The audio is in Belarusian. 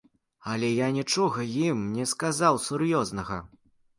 Але я нічога ім не сказаў сур'ёзнага.